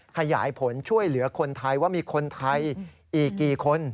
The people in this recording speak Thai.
ขยายผลช่วยเหลือคนไทยว่ามีคนไทยอีกกี่คน